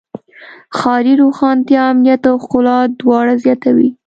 ښاري روښانتیا امنیت او ښکلا دواړه زیاتوي.